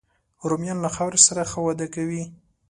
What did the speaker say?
رومیان له خاورې سره ښه وده کوي